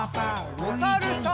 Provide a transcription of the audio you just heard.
おさるさん。